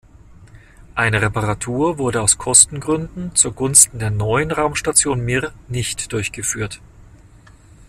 Eine Reparatur wurde aus Kostengründen zugunsten der neuen Raumstation Mir nicht durchgeführt.